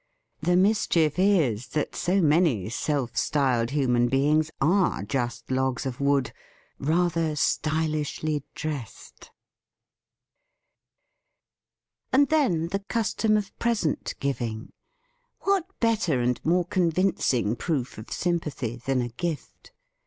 The mischief is that so many self styled human beings are just logs of wood, rather stylishly dressed. ^ Dc *% And then the custom of present giv ing! What better and more convinc ing proof of sympathy than a gift?